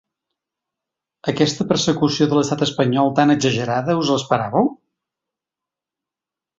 Aquesta persecució de l’estat espanyol tan exagerada, us l’esperàveu?